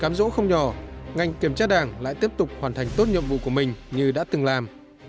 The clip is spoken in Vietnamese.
cám dỗ không nhỏ ngành kiểm tra đảng lại tiếp tục hoàn thành tốt nhiệm vụ của mình như đã từng làm